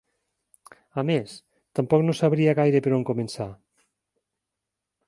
A més, tampoc no sabria gaire per on començar.